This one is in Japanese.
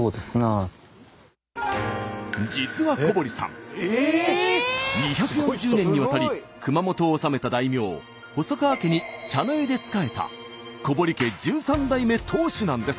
実は小堀さん２４０年にわたり熊本を治めた大名細川家に茶の湯で仕えた小堀家１３代目当主なんです。